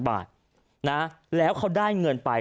บาทนะแล้วเขาได้เงินไป